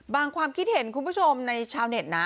ความคิดเห็นคุณผู้ชมในชาวเน็ตนะ